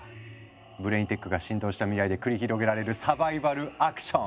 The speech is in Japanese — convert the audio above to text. ブレインテックが浸透した未来で繰り広げられるサバイバルアクション！